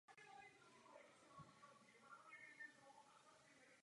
Milostná zápletka má v díle pomocnou úlohu.